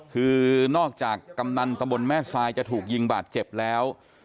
คือนอกจากกำนันตะบนแม่ทรายจะถูกยิงบาดเจ็บแล้ว